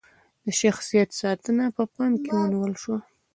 د شخصیت ساتنه په پام کې ونیول شوه.